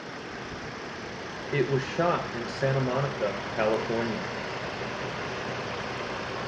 It was shot in Santa Monica, California.